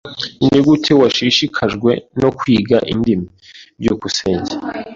Nigute washishikajwe no kwiga indimi? byukusenge